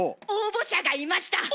応募者がいました。